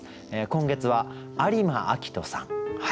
今月は有馬朗人さん。